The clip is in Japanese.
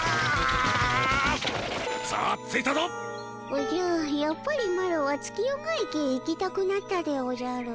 おじゃやっぱりマロは月夜が池へ行きたくなったでおじゃる。